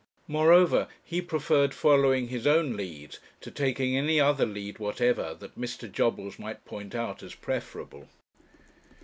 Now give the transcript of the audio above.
Moreover, he preferred following his own lead, to taking any other lead whatever that Mr. Jobbles might point out as preferable.